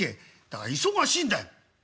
「だから忙しいんだよ」。